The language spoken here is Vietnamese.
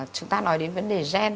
chúng ta nói đến vấn đề gen